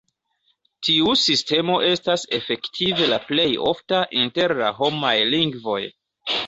Tiu sistemo estas efektive la plej ofta inter la homaj lingvoj.